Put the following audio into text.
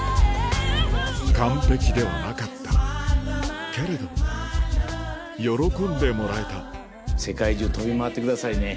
完璧ではなかったけれど喜んでもらえた世界中飛び回ってくださいね。